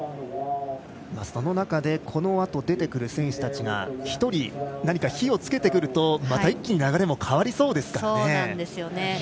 その中でこのあと出てくる選手たちが１人何か火をつけてくるとまた一気にそうなんですよね。